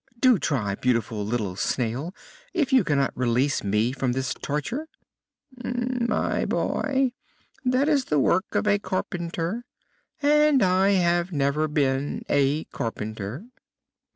Do try, beautiful little Snail, if you cannot release me from this torture." "My boy, that is the work of a carpenter, and I have never been a carpenter."